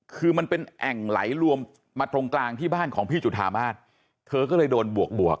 คือมันเป็นแอ่งไหลรวมมาตรงกลางที่บ้านของพี่จุธามาศเธอก็เลยโดนบวกบวก